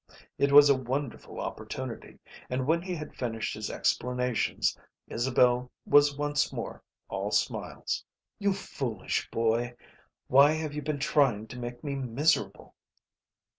It was a wonderful opportunity, and when he had finished his explanations Isabel was once more all smiles. "You foolish boy, why have you been trying to make me miserable?"